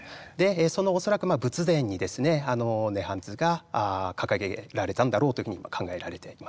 その恐らく仏殿にですね「涅槃図」が掲げられたんだろうというふうに考えられています。